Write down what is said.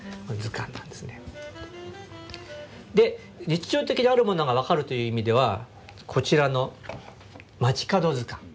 日常的にあるものが分かるという意味ではこちらの「街角図鑑」。